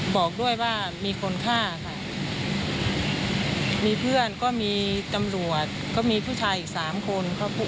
บอกด้วยว่ามีคนฆ่าค่ะมีเพื่อนก็มีตำรวจก็มีผู้ชายอีกสามคน